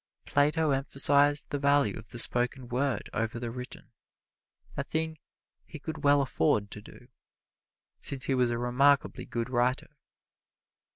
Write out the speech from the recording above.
Plato emphasized the value of the spoken word over the written, a thing he could well afford to do, since he was a remarkably good writer.